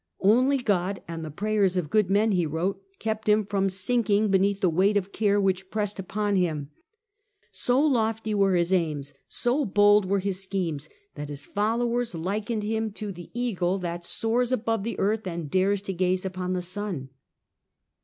Only God and the prayers of good men, he wrote, kept him from sinking beneath the weight of care which pressed upon him. So lofty were his aims, so bold were his schemes, that his followers likened him to the eagle that soars above the earth and dares to gaze upon the sun.